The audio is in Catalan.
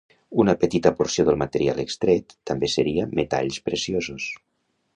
Una petita porció del material extret també seria metalls preciosos.